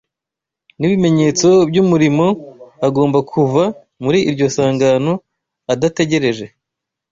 n'ibimenyetso by'umuriro agomba kuva muri iryo sangano adategereje